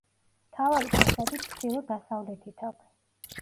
მთავარი ფასადი ჩრდილო-დასავლეთით აქვს.